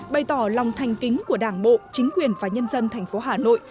bày tỏ lòng thanh kính của đảng bộ chính quyền và nhân dân thành phố hà nội